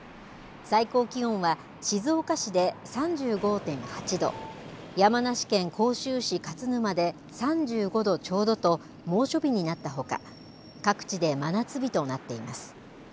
最高気温は、静岡市で３５．８度山梨県甲州市勝沼で３５度ちょうどと猛暑日になったほか各地で真夏日となっています。